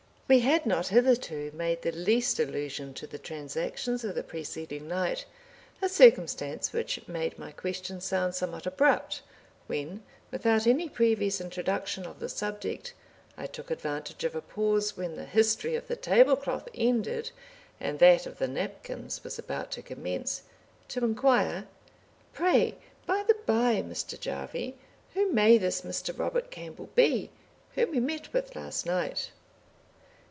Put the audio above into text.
We had not hitherto made the least allusion to the transactions of the preceding night, a circumstance which made my question sound somewhat abrupt, when, without any previous introduction of the subject, I took advantage of a pause when the history of the table cloth ended, and that of the napkins was about to commence, to inquire, "Pray, by the by, Mr. Jarvie, who may this Mr. Robert Campbell be, whom we met with last night?"